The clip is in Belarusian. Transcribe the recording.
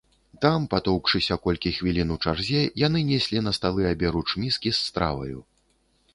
Там, патоўкшыся колькі хвілін у чарзе, яны неслі на сталы аберуч міскі з страваю.